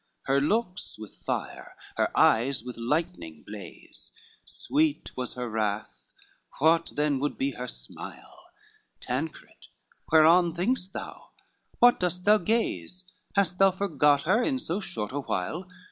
XXII Her looks with fire, her eyes with lightning blaze, Sweet was her wrath, what then would be her smile? Tancred, whereon think'st thou? what dost thou gaze? Hast thou forgot her in so short a while?